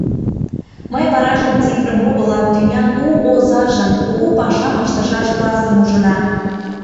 Мый варажым цифрым огыл, а тӱнян у озажым — кугу пашам ыштышаш классым ужынам.